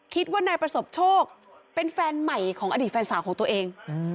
คิดว่านายประสบโชคเป็นแฟนใหม่ของอดีตแฟนสาวของตัวเอง